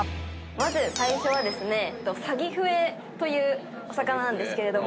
まず最初はサギフエというお魚なんですけれども。